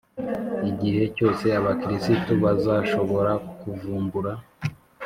igihe cyose abakristu bazashobora kuvumbura